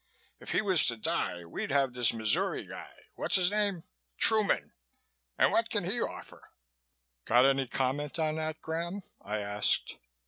If he was to die, we'd have this Missouri guy whatsisname? Truman? and what can he offer?" "Got any comment on that, Graham?" I asked.